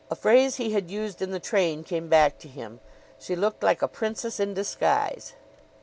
A phrase he had used in the train came back to him. She looked like a princess in disguise.